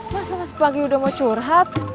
masa mas pagi udah mau curhat